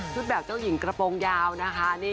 แบบเจ้าหญิงกระโปรงยาวนะคะ